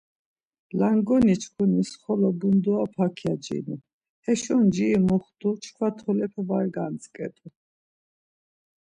Langoni çkunis xolo bunduroba kyacinu, heşo nciri muxtu çkva tolepe var gantzǩet̆u.